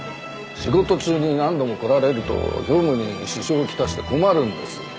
仕事中に何度も来られると業務に支障をきたして困るんです。